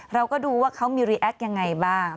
เราก็ดูว่าเขามีรีแอคยังไงบ้าง